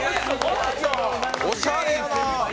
おしゃれやな。